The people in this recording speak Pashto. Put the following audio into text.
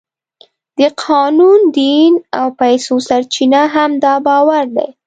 د قانون، دین او پیسو سرچینه هم دا باور دی.